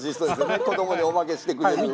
子どもにおまけしてくれる。